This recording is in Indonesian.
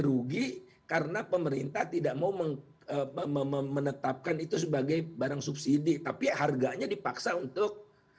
rugi karena pemerintah tidak mau menetapkan itu sebagai barang subsidi tapi harganya dipaksa untuk